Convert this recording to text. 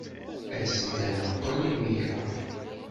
As-d ad neqqel imir-a.